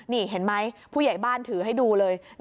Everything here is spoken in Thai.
นี่เห็นไหมผู้ใหญ่บ้านถือให้ดูเลย